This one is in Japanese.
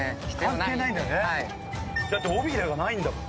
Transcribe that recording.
だって尾びれがないんだもん。